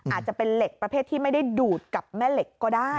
อาจจะเป็นเหล็กประเภทที่ไม่ได้ดูดกับแม่เหล็กก็ได้